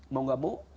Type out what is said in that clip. mau gak mau